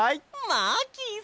マーキーさん！